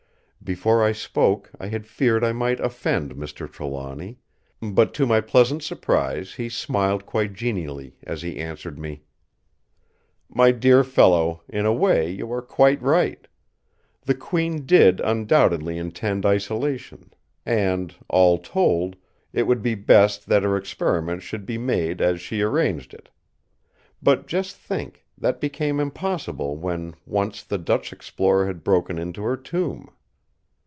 Before I spoke, I had feared I might offend Mr. Trelawny; but to my pleasant surprise he smiled quite genially as he answered me: "My dear fellow, in a way you are quite right. The Queen did undoubtedly intend isolation; and, all told, it would be best that her experiment should be made as she arranged it. But just think, that became impossible when once the Dutch explorer had broken into her tomb.